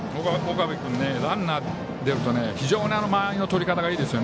岡部君、ランナーが出ると非常に間合いの取り方がいいです。